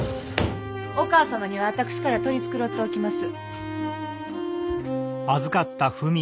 お母様には私から取り繕っておきます。